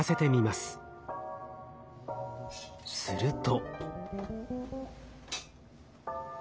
すると。